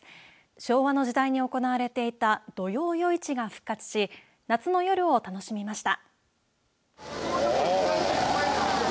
昭和の時代に行われていた土曜夜市が復活し夏の夜を楽しみました。